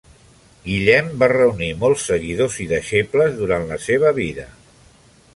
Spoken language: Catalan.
Guillem va reunir molts seguidors i deixebles durant la seva vida.